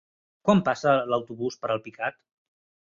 Quan passa l'autobús per Alpicat?